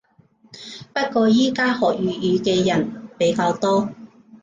不過依家學粵語嘅人比較多